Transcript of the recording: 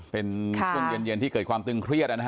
เป็นช่วงเย็นที่เกิดความตึงเครียดนะฮะ